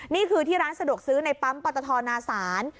นี่คือที่ร้านสะดวกซื้อในปั๊มปตทนาศาล